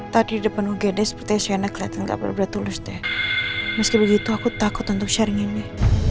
tadi di depan ugd seperti siana kelihatan nggak pernah tulus deh meski begitu aku takut untuk sharing ini